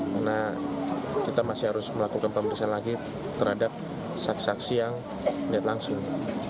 karena kita masih harus melakukan pemeriksaan lagi terhadap saksi saksi yang melihat langsung